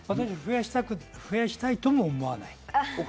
増やしたいとも思わない。